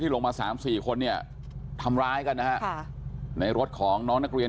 ลงมา๓๔คนเนี่ยทำร้ายกันนะฮะในรถของน้องนักเรียน